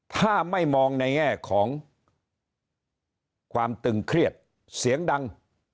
ถ้าไม่มองในแง่ของความตึงเครียดเสียงดัง